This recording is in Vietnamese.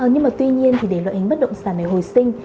nhưng mà tuy nhiên thì để loại hình bất động sản này hồi sinh